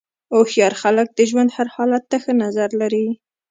هوښیار خلک د ژوند هر حالت ته ښه نظر لري.